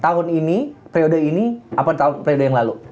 tahun ini periode ini apa tahun periode yang lalu